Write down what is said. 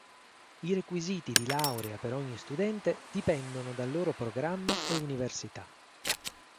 I requisiti di laurea per ogni studente dipendono dal loro programma e università.